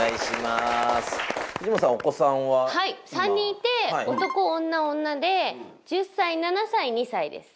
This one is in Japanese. ３人いて男女女で１０歳７歳２歳です。